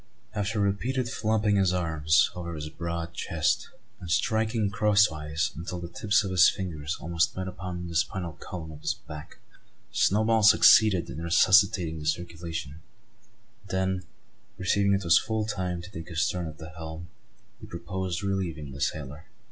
After repeated flopping his arms over his broad chest, and striking crosswise, until the tips of his fingers almost met upon the spinal column of his back, Snowball succeeded in resuscitating the circulation; and then, perceiving it was full time to take his turn at the helm, he proposed relieving the sailor.